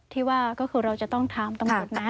ที่ว่าก็คือเราจะต้องทำต้องกดนั้น